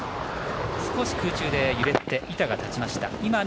少し空中で揺れて板が立ちました。